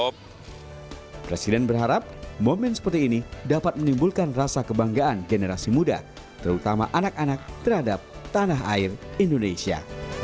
presiden berharap momen seperti ini dapat menimbulkan rasa kebanggaan generasi muda terutama anak anak terhadap tanah air indonesia